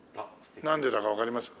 なんでだかわかりますか？